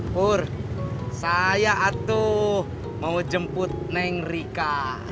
hur saya atuh mau jemput neng rika